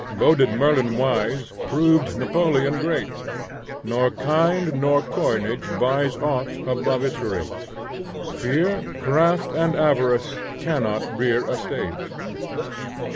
Boded Merlin wise, Proved Napoleon great, Nor kind nor coinage buys Aught above its rate. Fear, Craft, and Avarice Cannot rear a State.